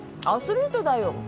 アスリートだよ